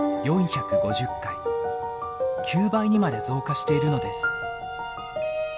９倍にまで増加しているのです。